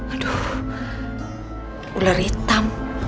aduh ular hitam